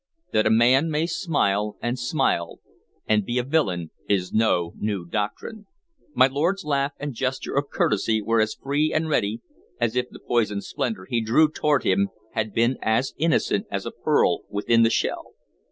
That a man may smile and smile and be a villain is no new doctrine. My lord's laugh and gesture of courtesy were as free and ready as if the poisoned splendor he drew toward him had been as innocent as a pearl within the shell.